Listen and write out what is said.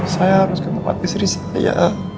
saya harus kemampuan di sri saya